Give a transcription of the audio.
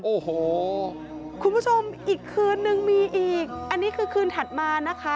โอ้โหคุณผู้ชมอีกคืนนึงมีอีกอันนี้คือคืนถัดมานะคะ